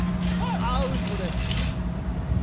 アウトです。